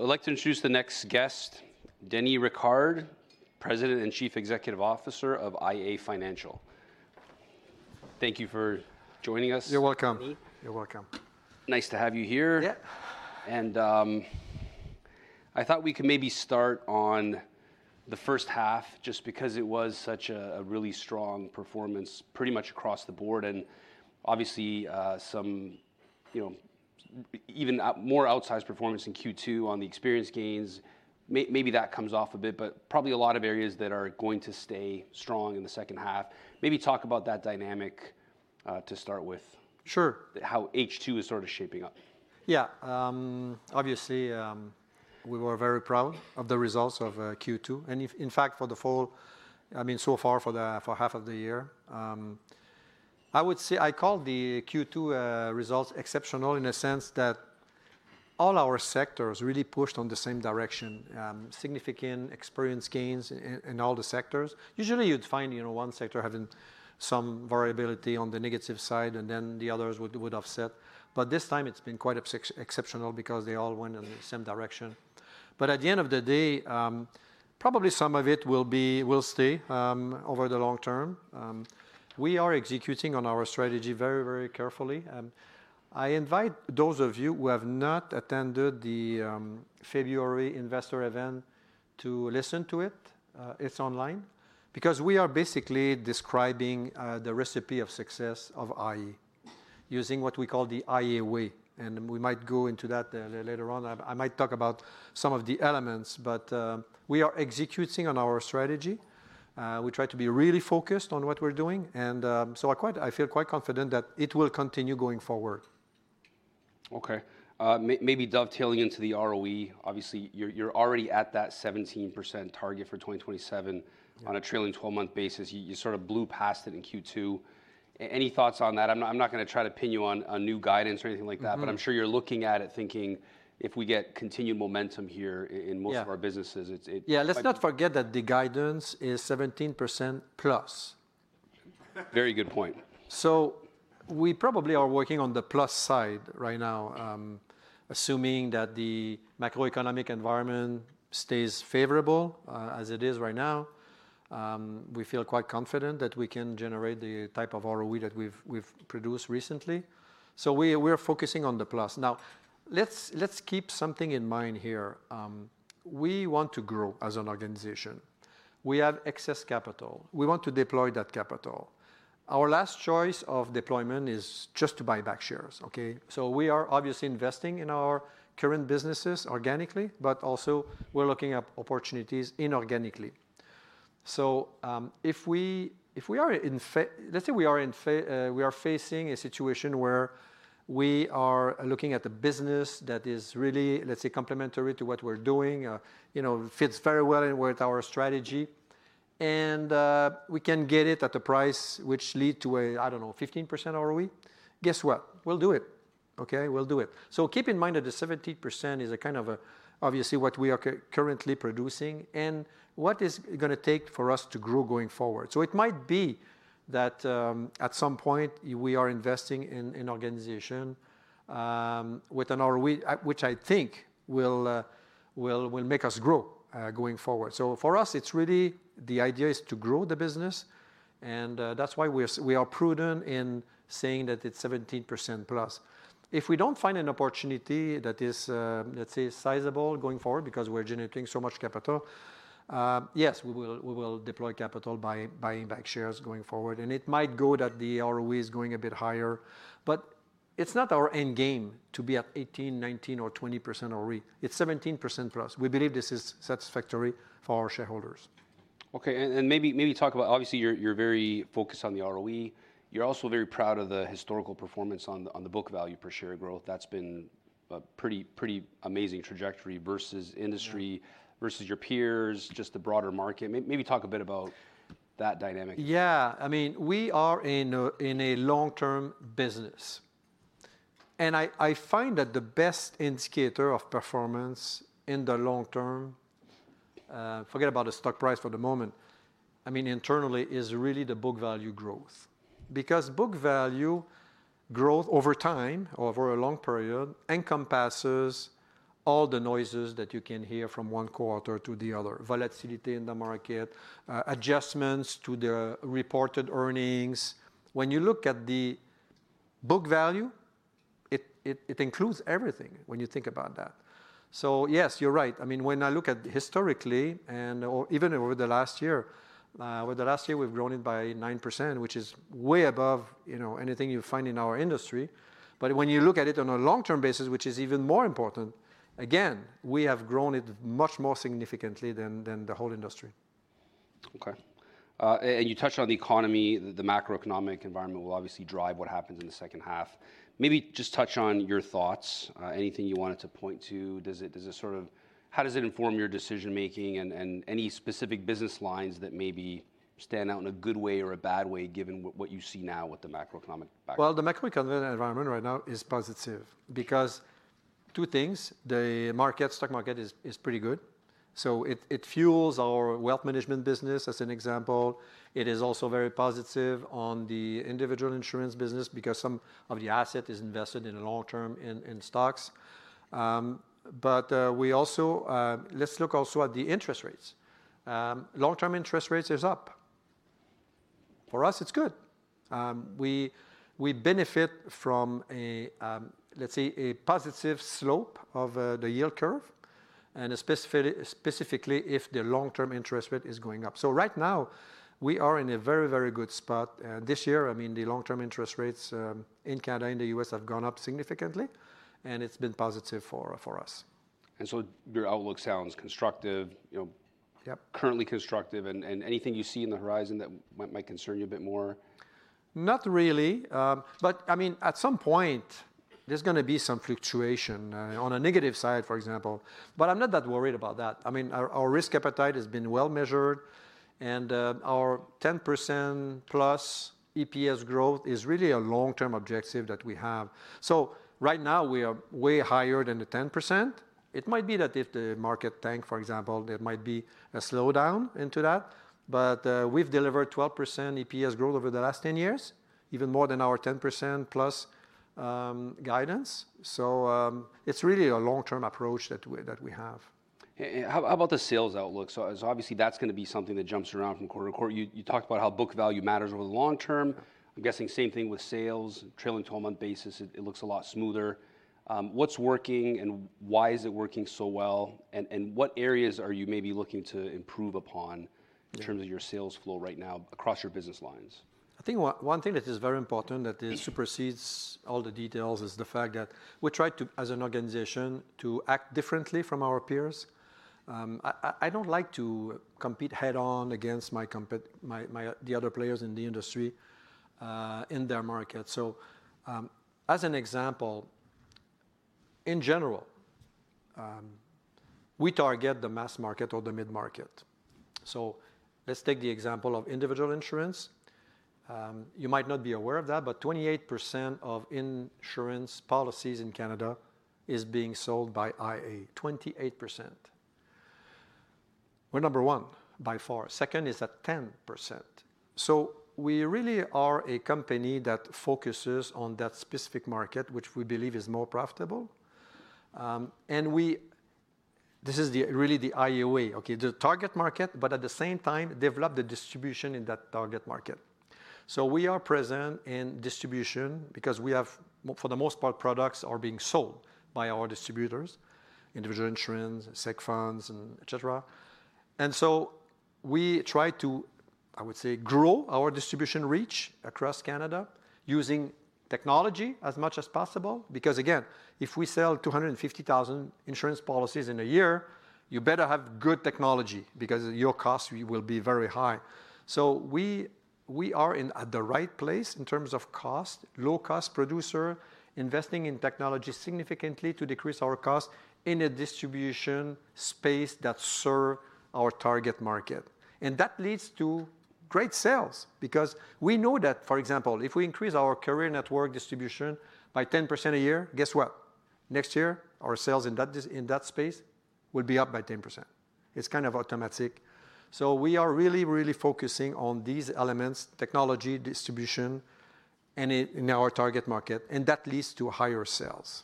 I'd like to introduce the next guest, Denis Ricard, President and Chief Executive Officer of iA Financial. Thank you for joining us. You're welcome. Nice to have you here. Yeah. I thought we could maybe start on the first half, just because it was such a really strong performance pretty much across the board, and obviously, some, you know, even more outsized performance in Q2 on the experience gains. Maybe that comes off a bit, but probably a lot of areas that are going to stay strong in the second half. Maybe talk about that dynamic to start with. Sure how H2 is sort of shaping up. Yeah. Obviously, we were very proud of the results of Q2, and in fact, for the full- I mean, so far for the, for half of the year. I would say I call the Q2 results exceptional in a sense that all our sectors really pushed on the same direction, significant experience gains in all the sectors. Usually, you'd find, you know, one sector having some variability on the negative side, and then the others would offset. But this time, it's been quite exceptional because they all went in the same direction. But at the end of the day, probably some of it will stay over the long term. We are executing on our strategy very, very carefully. I invite those of you who have not attended the February investor event to listen to it. It's online, because we are basically describing the recipe of success of iA, using what we call the iA Way, and we might go into that later on. I might talk about some of the elements, but we are executing on our strategy. We try to be really focused on what we're doing, and so I feel quite confident that it will continue going forward. Okay. Maybe dovetailing into the ROE, obviously, you're already at that 17% target for 2027. Yeah on a trailing 12-month basis. You sort of blew past it in Q2. Any thoughts on that? I'm not gonna try to pin you on a new guidance or anything like that- but I'm sure you're looking at it, thinking, "If we get continued momentum here in most- Yeah of our businesses, it's Yeah, let's not forget that the guidance is 17% plus. Very good point. So we probably are working on the plus side right now. Assuming that the macroeconomic environment stays favorable, as it is right now, we feel quite confident that we can generate the type of ROE that we've produced recently. So we're focusing on the plus. Now, let's keep something in mind here. We want to grow as an organization. We have excess capital. We want to deploy that capital. Our last choice of deployment is just to buy back shares, okay? So we are obviously investing in our current businesses organically, but also we're looking at opportunities inorganically. So, if we are facing a situation where we are looking at a business that is really, let's say, complementary to what we're doing, you know, fits very well in with our strategy, and, we can get it at a price which lead to a, I don't know, 15% ROE, guess what? We'll do it. Okay? We'll do it. So keep in mind that the 17% is a kind of a obviously, what we are currently producing and what it's gonna take for us to grow going forward. So it might be that, at some point, we are investing in an organization with an ROE which I think will make us grow going forward. So for us, it's really the idea is to grow the business, and that's why we are prudent in saying that it's 17% plus. If we don't find an opportunity that is, let's say, sizable going forward because we're generating so much capital, yes, we will deploy capital by buying back shares going forward, and it might go that the ROE is going a bit higher. But it's not our end game to be at 18, 19, or 20% ROE. It's 17% for us. We believe this is satisfactory for our shareholders. Okay, maybe talk about... obviously, you're very focused on the ROE. You're also very proud of the historical performance on the book value per share growth. That's been a pretty amazing trajectory versus industry versus your peers, just the broader market. Maybe talk a bit about that dynamic. Yeah. I mean, we are in a long-term business, and I find that the best indicator of performance in the long term, forget about the stock price for the moment, I mean, internally, is really the book value growth. Because book value growth over time, over a long period, encompasses all the noises that you can hear from one quarter to the other, volatility in the market, adjustments to the reported earnings. When you look at the book value, it includes everything, when you think about that. So yes, you're right. I mean, when I look at historically, and or even over the last year, we've grown it by 9%, which is way above, you know, anything you find in our industry. But when you look at it on a long-term basis, which is even more important, again, we have grown it much more significantly than the whole industry. Okay. You touched on the economy. The macroeconomic environment will obviously drive what happens in the second half. Maybe just touch on your thoughts, anything you wanted to point to. Does it sort of, how does it inform your decision-making, and any specific business lines that maybe stand out in a good way or a bad way, given what you see now with the macroeconomic background? The macroeconomic environment right now is positive because two things: the stock market is pretty good, so it fuels our wealth management business, as an example. It is also very positive on the individual insurance business because some of the asset is invested in the long term in stocks. But we also, let's look also at the interest rates. Long-term interest rates is up. For us, it's good. We benefit from a, let's say, a positive slope of the yield curve, and specifically if the long-term interest rate is going up. So right now, we are in a very, very good spot. This year, I mean, the long-term interest rates in Canada and the U.S. have gone up significantly, and it's been positive for us. And so your outlook sounds constructive, you know- Yep. Currently constructive. Anything you see on the horizon that might concern you a bit more? Not really. But, I mean, at some point, there's gonna be some fluctuation on a negative side, for example, but I'm not that worried about that. I mean, our risk appetite has been well measured, and our 10%-plus EPS growth is really a long-term objective that we have. So right now we are way higher than the 10%. It might be that if the market tank, for example, there might be a slowdown into that, but we've delivered 12% EPS growth over the last 10 years, even more than our 10%-plus guidance. So it's really a long-term approach that we have. How about the sales outlook? So obviously, that's gonna be something that jumps around from quarter to quarter. You talked about how book value matters over the long term. I'm guessing same thing with sales. Trailing 12-month basis, it looks a lot smoother. What's working, and why is it working so well? What areas are you maybe looking to improve upon? in terms of your sales flow right now across your business lines? I think one thing that is very important that supersedes all the details is the fact that we try to, as an organization, to act differently from our peers. I don't like to compete head-on against the other players in the industry, in their market. So, as an example, in general, we target the mass market or the mid-market. So let's take the example of individual insurance. You might not be aware of that, but 28% of insurance policies in Canada is being sold by iA. 28%. We're number one by far. Second is at 10%. So we really are a company that focuses on that specific market, which we believe is more profitable. This is really the iA way, okay? The target market, but at the same time, develop the distribution in that target market. So we are present in distribution because we have, for the most part, products are being sold by our distributors, individual insurance, seg funds, and et cetera. And so we try to, I would say, grow our distribution reach across Canada using technology as much as possible, because, again, if we sell 250,000 insurance policies in a year, you better have good technology because your costs will be very high. So we are in at the right place in terms of cost, low-cost producer, investing in technology significantly to decrease our cost in a distribution space that serve our target market. And that leads to great sales because we know that, for example, if we increase our Career Network distribution by 10% a year, guess what? Next year, our sales in that space will be up by 10%. It's kind of automatic. So we are really, really focusing on these elements: technology, distribution, and in our target market, and that leads to higher sales.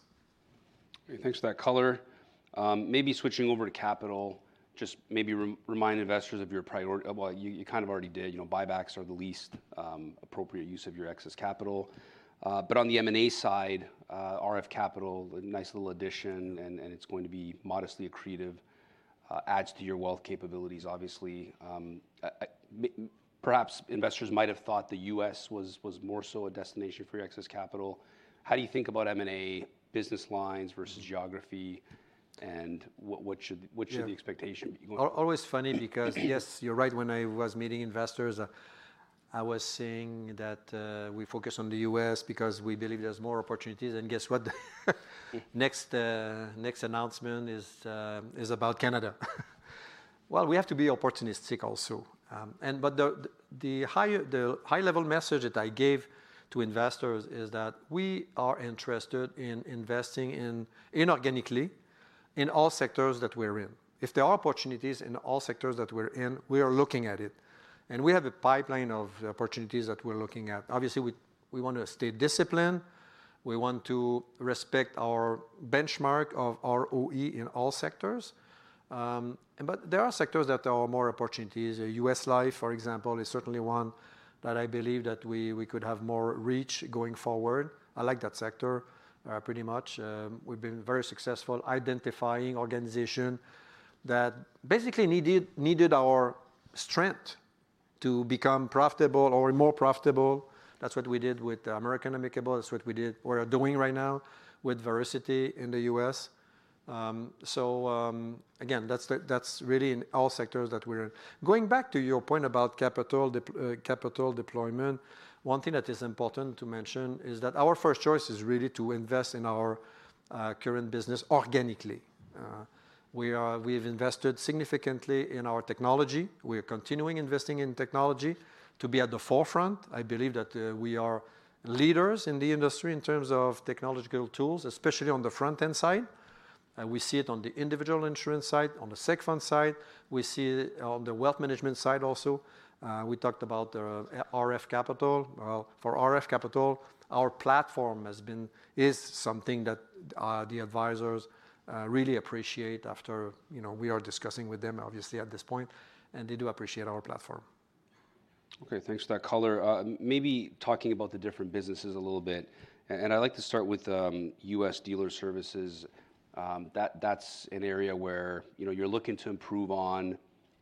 Thanks for that color. Maybe switching over to capital, just maybe remind investors of your priority. Well, you kind of already did. You know, buybacks are the least appropriate use of your excess capital. But on the M&A side, RF Capital, a nice little addition, and it's going to be modestly accretive, adds to your wealth capabilities, obviously. Perhaps investors might have thought the U.S. was more so a destination for your excess capital. How do you think about M&A business lines versus geography, and what should Yeah what should the expectation be going? It's always funny because, yes, you're right. When I was meeting investors, I was saying that we focus on the U.S. because we believe there's more opportunities. And guess what? Next announcement is about Canada. Well, we have to be opportunistic also. But the high-level message that I gave to investors is that we are interested in investing inorganically in all sectors that we're in. If there are opportunities in all sectors that we're in, we are looking at it, and we have a pipeline of opportunities that we're looking at. Obviously, we want to stay disciplined. We want to respect our benchmark of ROE in all sectors. But there are sectors that there are more opportunities. U.S. Life, for example, is certainly one that I believe that we could have more reach going forward. I like that sector pretty much. We've been very successful identifying organization that basically needed our strength to become profitable or more profitable. That's what we did with American-Amicable. That's what we're doing right now with Vericity in the U.S. So, again, that's really in all sectors that we're in. Going back to your point about capital deployment, one thing that is important to mention is that our first choice is really to invest in our current business organically. We've invested significantly in our technology. We are continuing investing in technology to be at the forefront. I believe that we are leaders in the industry in terms of technological tools, especially on the front-end side. We see it on the individual insurance side, on the seg fund side. We see it on the wealth management side also. We talked about the RF Capital. Well, for RF Capital, our platform has been, is something that the advisors really appreciate after, you know, we are discussing with them obviously at this point, and they do appreciate our platform. Okay, thanks for that color. Maybe talking about the different businesses a little bit, and I'd like to start with U.S. Dealer Services. That's an area where, you know, you're looking to improve on.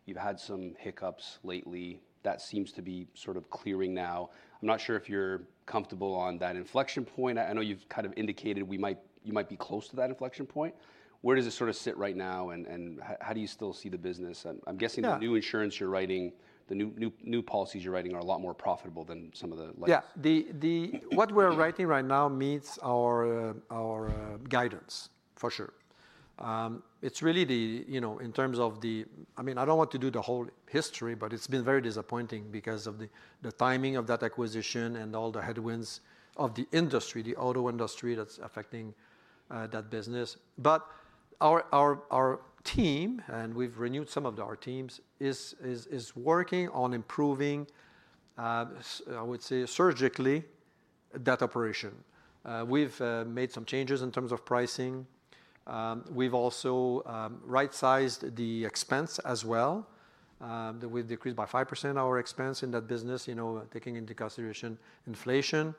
You've had some hiccups lately. That seems to be sort of clearing now. I'm not sure if you're comfortable on that inflection point. I know you've kind of indicated we might- you might be close to that inflection point. Where does it sort of sit right now, and how do you still see the business? And I'm guessing Yeah the new insurance you're writing, the new policies you're writing are a lot more profitable than some of the last. Yeah, what we're writing right now meets our guidance, for sure. It's really, you know, in terms of the I mean, I don't want to do the whole history, but it's been very disappointing because of the timing of that acquisition and all the headwinds of the industry, the auto industry, that's affecting that business, but our team, and we've renewed some of our teams, is working on improving, I would say surgically, that operation. We've made some changes in terms of pricing. We've also right-sized the expense as well. We've decreased by 5% our expense in that business, you know, taking into consideration inflation,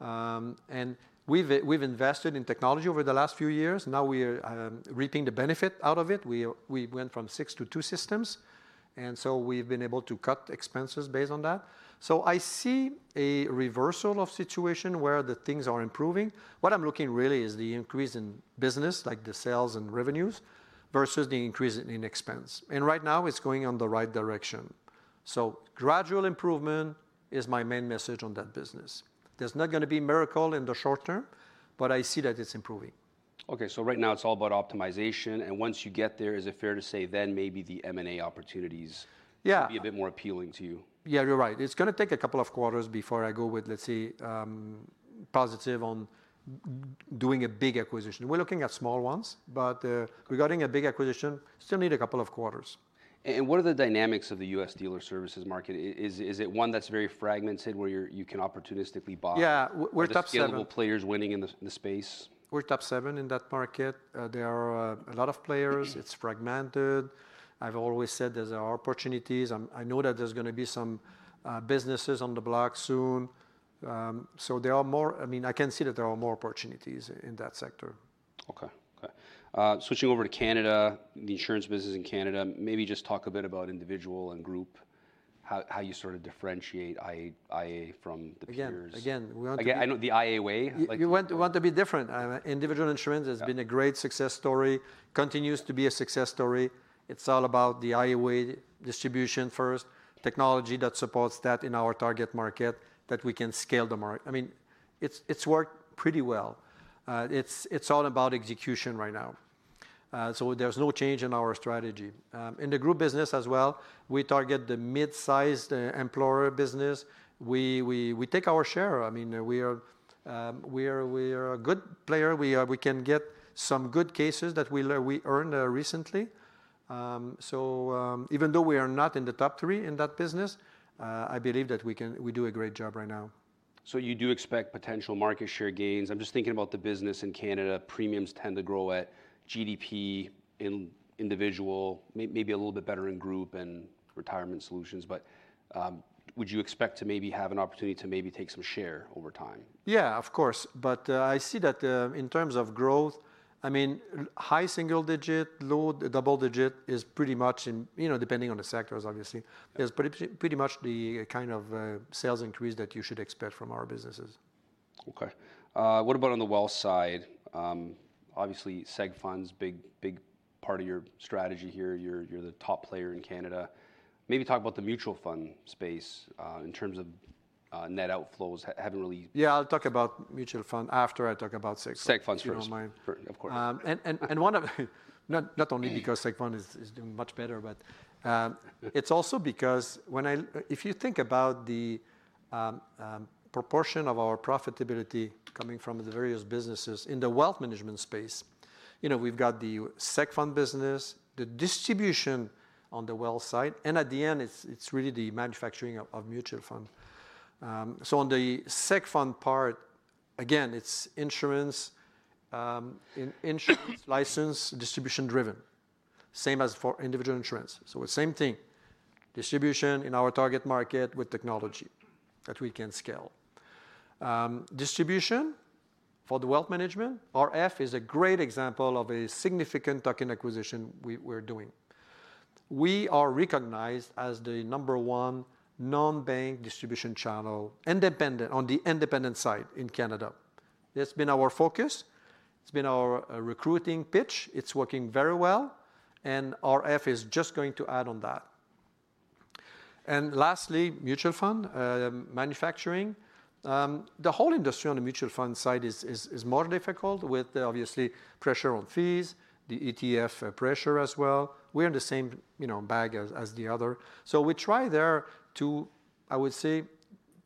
and we've invested in technology over the last few years. Now we are reaping the benefit out of it. We are, we went from six to two systems, and so we've been able to cut expenses based on that. So I see a reversal of situation where the things are improving. What I'm looking really is the increase in business, like the sales and revenues, versus the increase in expense, and right now it's going in the right direction. So gradual improvement is my main message on that business. There's not gonna be miracle in the short term, but I see that it's improving. Okay, so right now it's all about optimization, and once you get there, is it fair to say then maybe the M&A opportunities Yeah will be a bit more appealing to you? Yeah, you're right. It's gonna take a couple of quarters before I go with, let's say, positive on doing a big acquisition. We're looking at small ones, but, regarding a big acquisition, still need a couple of quarters. What are the dynamics of the U.S. Dealer Services market? Is it one that's very fragmented where you can opportunistically buy Yeah, we're top seven. Are the scalable players winning in the space? We're top seven in that market. There are a lot of players. It's fragmented. I've always said there are opportunities. I know that there's gonna be some businesses on the block soon. So there are more... I mean, I can see that there are more opportunities in that sector. Okay, switching over to Canada, the insurance business in Canada, maybe just talk a bit about individual and group, how you sort of differentiate iA from the peers. Again, we want to be- Again, I know the iA Way, like You want to be different. Individual insurance Yeah has been a great success story, continues to be a success story. It's all about the iA Way distribution first, technology that supports that in our target market, that we can scale the market. I mean, it's worked pretty well. It's all about execution right now. So there's no change in our strategy. In the group business as well, we target the mid-sized employer business. We take our share. I mean, we are a good player. We can get some good cases that we earned recently. So even though we are not in the top three in that business, I believe that we do a great job right now. So you do expect potential market share gains? I'm just thinking about the business in Canada. Premiums tend to grow at GDP in individual, maybe a little bit better in group and retirement solutions, but, would you expect to maybe have an opportunity to maybe take some share over time? Yeah, of course, but I see that, in terms of growth, I mean, high single digit, low double digit is pretty much in, you know, depending on the sectors obviously, is pretty, pretty much the kind of sales increase that you should expect from our businesses. Okay. What about on the wealth side? Obviously, seg funds, big, big part of your strategy here. You're the top player in Canada. Maybe talk about the mutual fund space, in terms of, net outflows haven't really- Yeah, I'll talk about mutual fund after I talk about seg funds. Seg funds first. If you don't mind. Sure. Of course. And not only because seg fund is doing much better, but it's also because if you think about the proportion of our profitability coming from the various businesses in the wealth management space, you know, we've got the seg fund business, the distribution on the wealth side, and at the end, it's really the manufacturing of mutual fund. So on the seg fund part, again, it's insurance insurance license, distribution driven, same as for individual insurance. So the same thing, distribution in our target market with technology that we can scale. Distribution for the wealth management, RF is a great example of a significant tuck-in acquisition we're doing. We are recognized as the number one non-bank distribution channel, independent, on the independent side in Canada. It's been our focus. It's been our recruiting pitch. It's working very well, and RF is just going to add on that. And lastly, mutual fund manufacturing. The whole industry on the mutual fund side is more difficult with obviously pressure on fees, the ETF pressure as well. We're in the same, you know, bag as the other. So we try there to, I would say,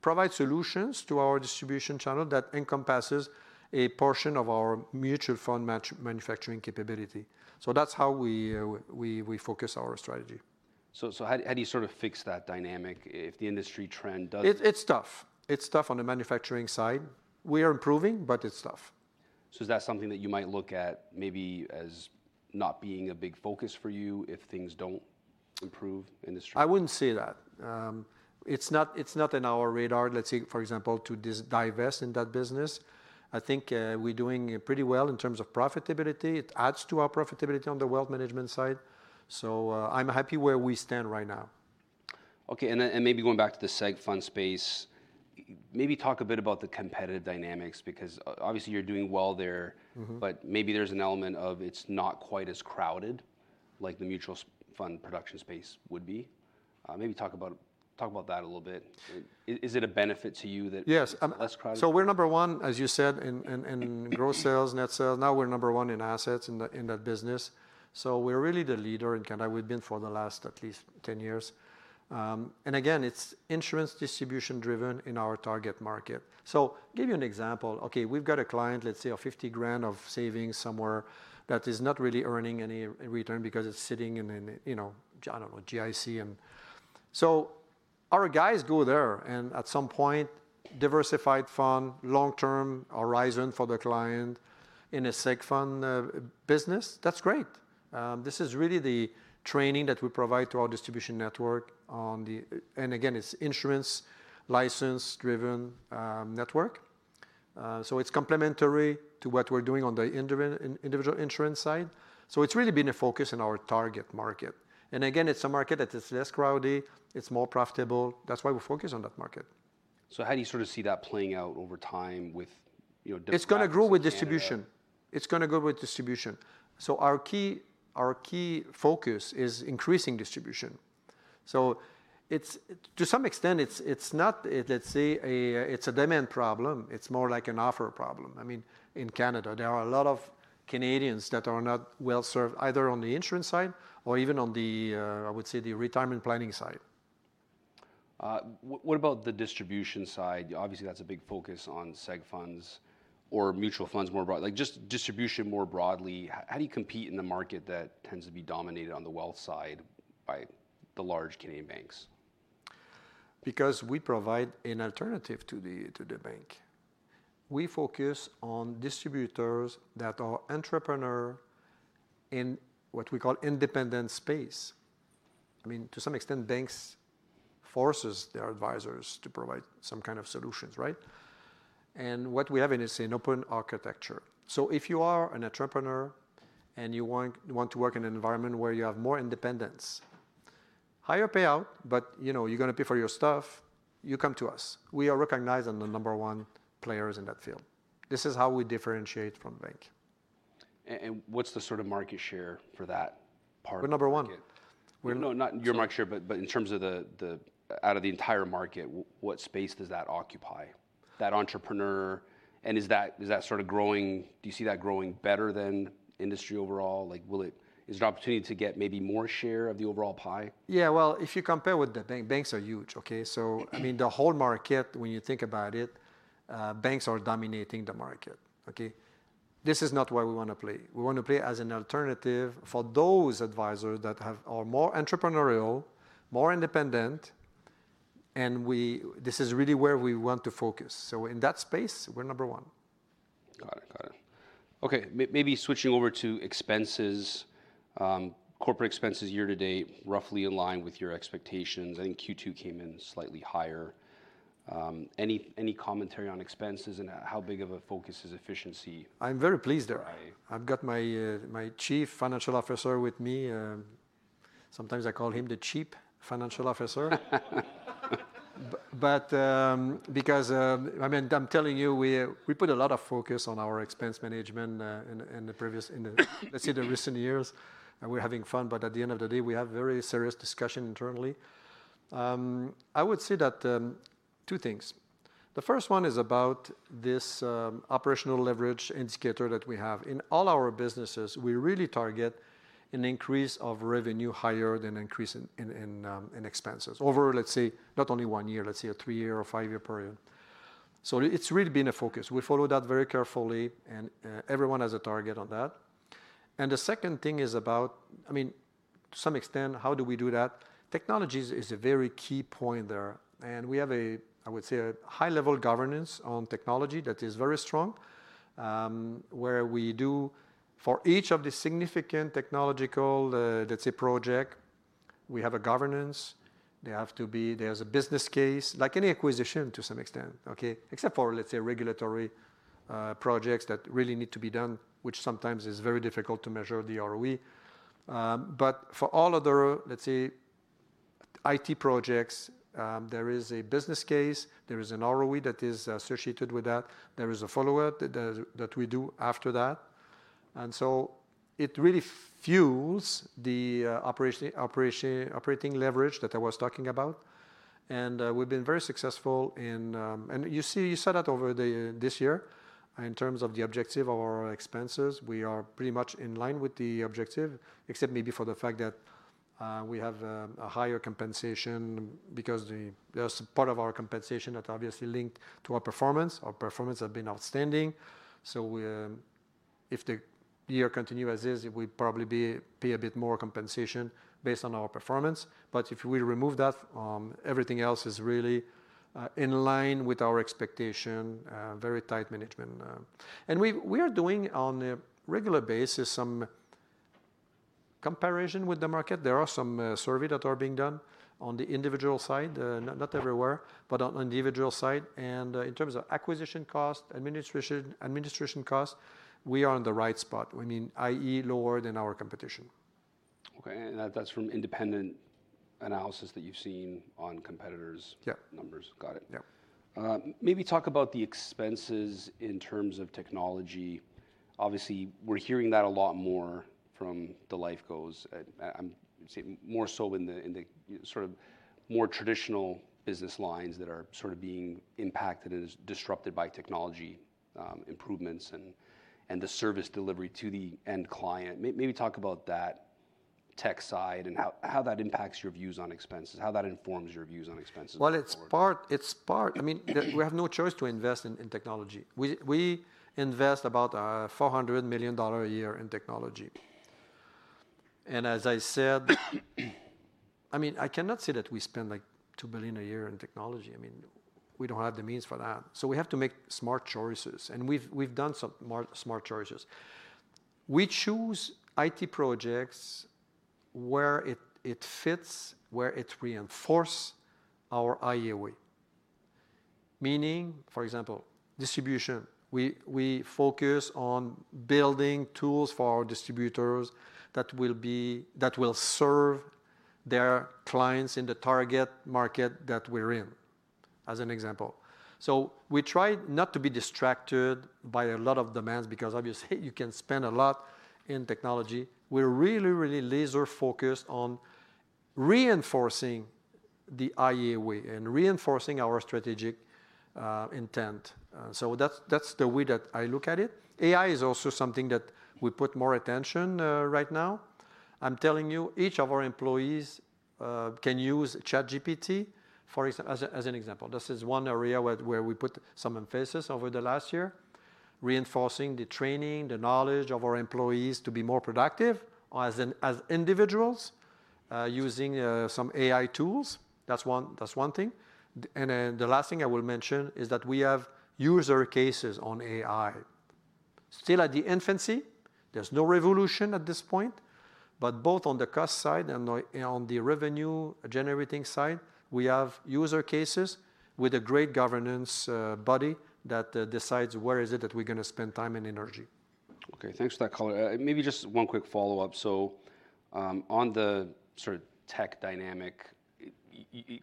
provide solutions to our distribution channel that encompasses a portion of our mutual fund manufacturing capability. So that's how we focus our strategy. So, how do you sort of fix that dynamic if the industry trend does- It, it's tough. It's tough on the manufacturing side. We are improving, but it's tough. So is that something that you might look at maybe as not being a big focus for you if things don't improve in this trend? I wouldn't say that. It's not in our radar, let's say, for example, to divest in that business. I think, we're doing pretty well in terms of profitability. It adds to our profitability on the wealth management side. So, I'm happy where we stand right now. Okay, and then, and maybe going back to the seg fund space, maybe talk a bit about the competitive dynamics, because obviously, you're doing well there. Mm-hmm but maybe there's an element of it's not quite as crowded, like the mutual fund production space would be. Maybe talk about that a little bit. Is it a benefit to you that Yes, um it's less crowded? So we're number one, as you said, in gross sales, net sales. Now we're number one in assets in that business. So we're really the leader in Canada. We've been for the last at least 10 years. And again, it's insurance distribution driven in our target market. So give you an example, okay, we've got a client, let's say, of 50,000 of savings somewhere that is not really earning any return because it's sitting in an, you know, I don't know, GIC. And so our guys go there, and at some point, diversified fund, long-term horizon for the client in a seg fund, business, that's great. This is really the training that we provide to our distribution network on the. And again, it's insurance license-driven, network. So it's complementary to what we're doing on the individual insurance side. So it's really been a focus in our target market. And again, it's a market that is less crowded. It's more profitable. That's why we focus on that market. So how do you sort of see that playing out over time with, you know, different practices in Canada? It's going to grow with distribution. It's going to grow with distribution. So our key, our key focus is increasing distribution. So it's, to some extent, it's not, let's say, it's a demand problem. It's more like an offer problem. I mean, in Canada, there are a lot of Canadians that are not well-served, either on the insurance side or even on the, I would say, the retirement planning side. What about the distribution side? Obviously, that's a big focus on seg funds or mutual funds, more broadly. Like, just distribution more broadly, how do you compete in a market that tends to be dominated on the wealth side by the large Canadian banks? Because we provide an alternative to the bank. We focus on distributors that are entrepreneur in what we call independent space. I mean, to some extent, banks forces their advisors to provide some kind of solutions, right? And what we have is an open architecture. So if you are an entrepreneur and you want to work in an environment where you have more independence, higher payout, but, you know, you're going to pay for your stuff, you come to us. We are recognized as the number one players in that field. This is how we differentiate from bank. What's the sort of market share for that part of the market? We're number one. We're No, not your market share, but in terms of the out of the entire market, what space does that occupy, that entrepreneur? And is that sort of growing? Do you see that growing better than industry overall? Like, will it? Is there an opportunity to get maybe more share of the overall pie? Yeah, well, if you compare with the bank, banks are huge, okay? So I mean, the whole market, when you think about it, banks are dominating the market, okay? This is not where we want to play. We want to play as an alternative for those advisors that have, are more entrepreneurial, more independent, and we, this is really where we want to focus. So in that space, we're number one. Got it, got it. Okay, maybe switching over to expenses, corporate expenses year to date, roughly in line with your expectations. I think Q2 came in slightly higher. Any commentary on expenses and how big of a focus is efficiency? I'm very pleased there. I've got my Chief Financial Officer with me. Sometimes I call him the cheap financial officer. But, because I mean, I'm telling you, we put a lot of focus on our expense management, in the previous, let's say, the recent years, and we're having fun, but at the end of the day, we have very serious discussion internally. I would say that, two things. The first one is about this, operational leverage indicator that we have. In all our businesses, we really target an increase of revenue higher than increase in expenses, over, let's say, not only one year, let's say a three-year or five-year period. So it's really been a focus. We follow that very carefully, and everyone has a target on that. And the second thing is about, I mean, to some extent, how do we do that? Technologies is a very key point there, and we have a, I would say, a high-level governance on technology that is very strong, where we do, for each of the significant technological, let's say, project, we have a governance. There have to be There's a business case, like any acquisition to some extent, okay? Except for, let's say, regulatory, projects that really need to be done, which sometimes is very difficult to measure the ROE. But for all other, let's say, IT projects, there is a business case. There is an ROE that is associated with that. There is a follow-up that we do after that. And so it really fuels the operating leverage that I was talking about. We've been very successful. You see, you saw that over this year in terms of the objective of our expenses. We are pretty much in line with the objective, except maybe for the fact that we have a higher compensation because there's part of our compensation that's obviously linked to our performance. Our performance has been outstanding, so if the year continue as is, it will probably be a bit more compensation based on our performance. But if we remove that, everything else is really in line with our expectation, very tight management. And we are doing on a regular basis some comparison with the market. There are some survey that are being done on the individual side, not everywhere, but on individual side. In terms of acquisition cost, administration cost, we are on the right spot. We mean, i.e., lower than our competition. Okay, and that's from independent analysis that you've seen on competitors'. Yeah numbers. Got it. Yeah. Maybe talk about the expenses in terms of technology. Obviously, we're hearing that a lot more from the lifecos, say more so in the sort of more traditional business lines that are sort of being impacted and is disrupted by technology, improvements, and the service delivery to the end client. Maybe talk about that tech side and how that impacts your views on expenses, how that informs your views on expenses going forward. I mean, we have no choice to invest in technology. We invest about 400 million dollar a year in technology. And as I said, I mean, I cannot say that we spend, like, 2 billion a year in technology. I mean, we don't have the means for that. So we have to make smart choices, and we've done some smart choices. We choose IT projects where it fits, where it reinforce our iA Way. Meaning, for example, distribution, we focus on building tools for our distributors that will serve their clients in the target market that we're in, as an example. So we try not to be distracted by a lot of demands because obviously, you can spend a lot in technology. We're really, really laser focused on reinforcing the iA Way and reinforcing our strategic intent. So that's the way that I look at it. AI is also something that we put more attention right now. I'm telling you, each of our employees can use ChatGPT, for example, as an example. This is one area where we put some emphasis over the last year, reinforcing the training, the knowledge of our employees to be more productive as individuals using some AI tools. That's one thing. And then the last thing I will mention is that we have use cases on AI. Still in its infancy, there's no revolution at this point, but both on the cost side and on the revenue-generating side, we have use cases with a great governance body that decides where it is that we're gonna spend time and energy. Okay, thanks for that color. Maybe just one quick follow-up. So, on the sort of tech dynamic,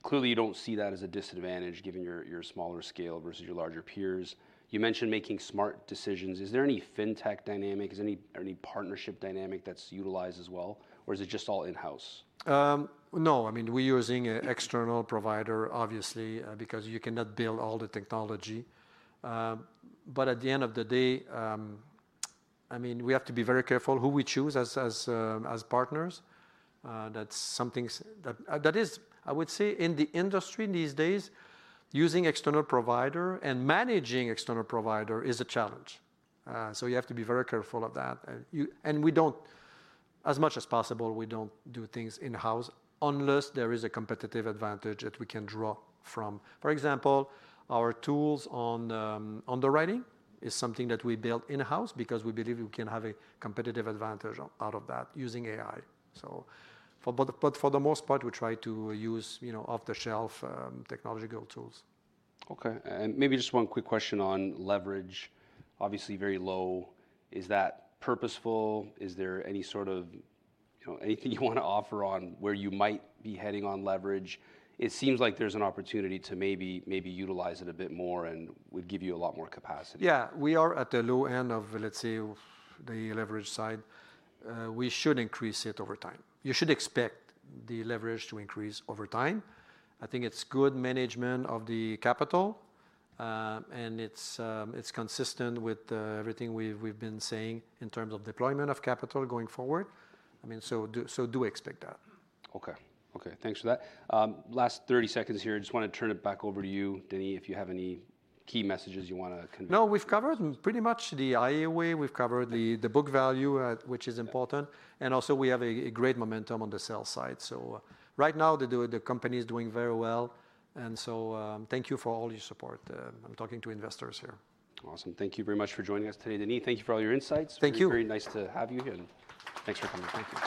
clearly, you don't see that as a disadvantage, given your smaller scale versus your larger peers. You mentioned making smart decisions. Is there any fintech dynamic, any partnership dynamic that's utilized as well, or is it just all in-house? No, I mean, we're using an external provider, obviously, because you cannot build all the technology, but at the end of the day, I mean, we have to be very careful who we choose as partners. That's something that is. I would say in the industry these days, using external provider and managing external provider is a challenge. So you have to be very careful of that, and we don't, as much as possible, we don't do things in-house unless there is a competitive advantage that we can draw from. For example, our tools on underwriting is something that we built in-house because we believe we can have a competitive advantage out of that using AI, but for the most part, we try to use, you know, off-the-shelf technological tools. Okay, and maybe just one quick question on leverage, obviously very low. Is that purposeful? Is there any sort of, you know, anything you wanna offer on where you might be heading on leverage? It seems like there's an opportunity to maybe, maybe utilize it a bit more and would give you a lot more capacity. Yeah, we are at the low end of, let's say, the leverage side. We should increase it over time. You should expect the leverage to increase over time. I think it's good management of the capital, and it's consistent with everything we've been saying in terms of deployment of capital going forward. I mean, so do expect that. Okay. Okay, thanks for that. Last 30 seconds here, I just wanna turn it back over to you, Denis, if you have any key messages you wanna convey. No, we've covered pretty much the iA Way. We've covered the book value, which is important. Also, we have a great momentum on the sales side. So right now, the company is doing very well, and so, thank you for all your support. I'm talking to investors here. Awesome. Thank you very much for joining us today, Denis. Thank you for all your insights. Thank you. It was very nice to have you here, and thanks for coming. Thank you.